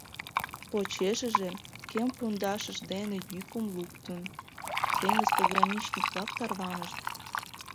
Почешыже, кем пундашышт дене йӱкым луктын, теҥыз пограничник-влак тарванышт.